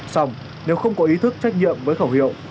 xong nếu không có ý thức trách nhiệm với khẩu hiệu